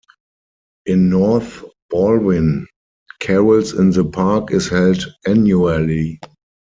In North Balwyn, Carols in the Park is held annually.